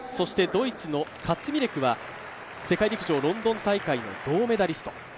ドイツのカツミレクは世界陸上ロンドン大会の銅メダリスト。